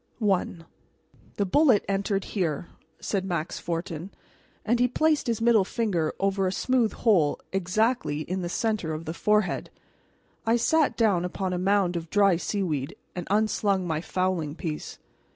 R.W.C. I "The bullet entered here," said Max Fortin, and he placed his middle finger over a smooth hole exactly in the center of the forehead. I sat down upon a mound of dry seaweed and unslung my fowling piece.